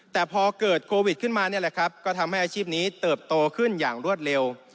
แต่พอเกิดโควิดขึ้นมานี่แหละครับก็ทำให้อาชีพนี้เติบโตขึ้นอย่างรวดเร็ว